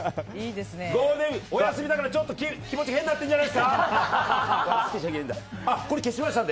ゴールデンウィークでお休みだから、ちょっと気持ち変になってるんじゃないですか！